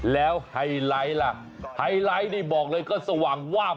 แล้วไฮไลท์ละ